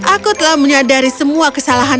aku telah menyadari semua kesalahan